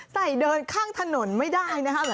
ใส่เดินข้างถนนไม่ได้นะคะ